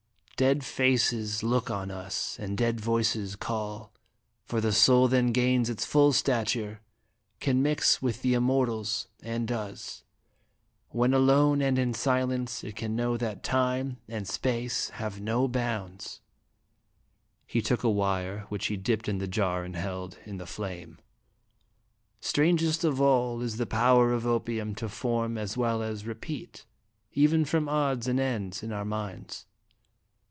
"Dead faces look on us, and 97 98 lje JUramatic in iHg Sleeting. dead voices call, for the soul then gains its full stature, can mix with the immortals, and does ; when alone and in silence, it can know that Time and Space have no bounds." He took a wire, which he dipped in the jar and held in the flame. " Strangest of all is the power of opium to form as well as repeat, even from odds and ends in our minds.